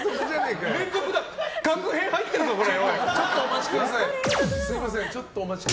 確変入ってるぞこれ！